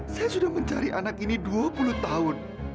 saya sudah mencari anak ini dua puluh tahun